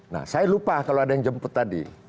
nah saya lupa kalau ada yang jemput tadi